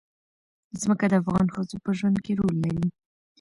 ځمکه د افغان ښځو په ژوند کې رول لري.